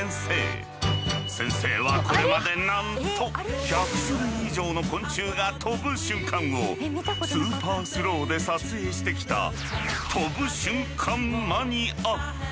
先生はこれまでなんと１００種類以上の昆虫が飛ぶ瞬間をスーパースローで撮影してきた飛ぶ瞬間マニア！